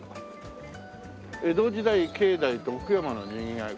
「江戸時代境内と奥山の賑わい」